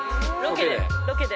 ロケで。